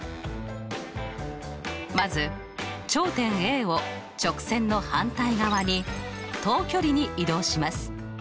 まず頂点Ａを直線の反対側に等距離に移動します。